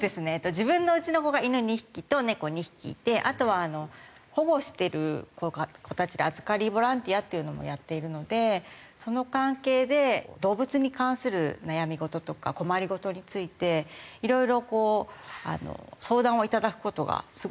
自分のうちの子が犬２匹と猫２匹いてあとは保護してる子たちで預かりボランティアっていうのもやっているのでその関係で動物に関する悩み事とか困り事についていろいろ相談をいただく事がすごく多くて。